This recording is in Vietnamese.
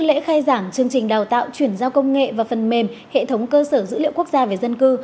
lễ khai giảng chương trình đào tạo chuyển giao công nghệ và phần mềm hệ thống cơ sở dữ liệu quốc gia về dân cư